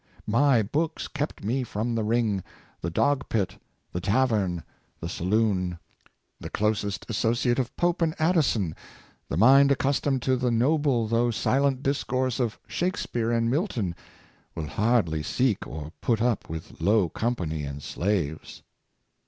My books kept me from the ring, the dog pit, the tavern, the saloon. The closest associate of Pope and Addison, the mind accustomed to the noble though silent discourse of Shakspeare and Milton, will hardly seek or put up with low company and slaves."